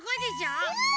うん！